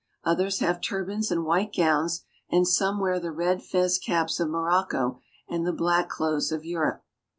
Others have turbans and white gowns, and some wear the red fez caps of Morocco and the black clothes of Europe.